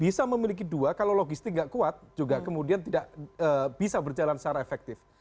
bisa memiliki dua kalau logistik nggak kuat juga kemudian tidak bisa berjalan secara efektif